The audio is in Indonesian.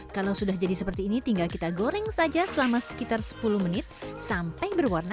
kalau sudah jadi seperti ini tinggal kita goreng saja selama sekitar sepuluh menit sampai berwarna